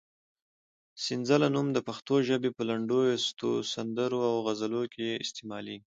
سنځله نوم د پښتو ژبې په لنډیو، سندرو او غزلونو کې استعمالېږي.